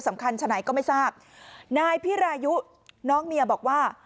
คันฉะไหนก็ไม่ทราบนายพิรายุน้องเมียบอกว่า